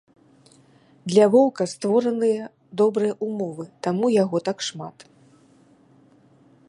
Для воўка створаныя добрыя ўмовы, таму яго так шмат.